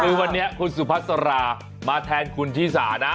คือวันนี้คุณสุพัสรามาแทนคุณชิสานะ